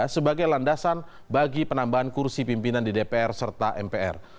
sebagai landasan bagi penambahan kursi pimpinan di dpr serta mpr